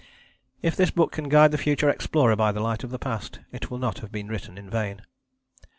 If this book can guide the future explorer by the light of the past, it will not have been written in vain.